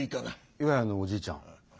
岩谷のおじいちゃん。